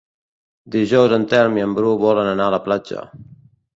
Dijous en Telm i en Bru volen anar a la platja.